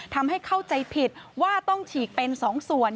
ทำให้เข้าใจผิดว่าต้องฉีกเป็น๒ส่วน